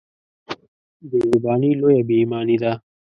بېزباني لويه بېايماني ده.